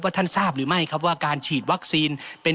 ท่านทราบหรือไม่ครับว่าการฉีดวัคซีนเป็น